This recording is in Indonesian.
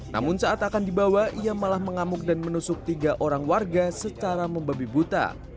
namun saat akan dibawa ia malah mengamuk dan menusuk tiga orang warga secara membabi buta